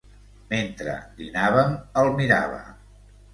Mentre dinàvem, el mirava.